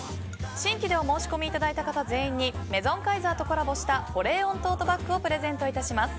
新規でお申し込みいただいた方全員にメゾンカイザーとコラボした保冷温トートバッグをプレゼントいたします。